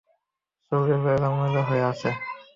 চুল গুলো এলোমেলো হয়ে আছে।